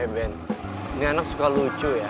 eben eben ini anak suka lucu ya